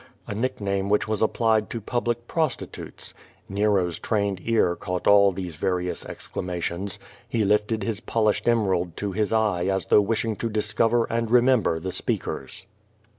a nickname which was applied to public prostitutes. Nero's trained car cauglit all these var ious exclamations. He lifted his ]K)lished emerald to his eye as though wishing to discover and remember the s])eakcrs.